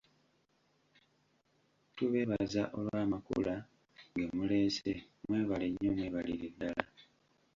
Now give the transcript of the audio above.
Tubeebaza olw’Amakula ge muleese, mwebale nnyo mwebalire ddala.